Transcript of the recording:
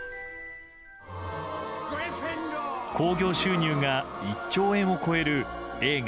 興行収入が１兆円を超える映画